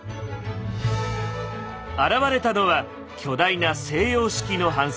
現れたのは巨大な西洋式の帆船。